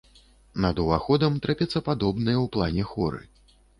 Над уваходам трапецападобныя ў плане хоры.